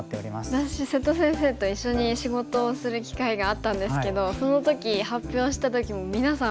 私瀬戸先生と一緒に仕事をする機会があったんですけどその時発表した時もみなさん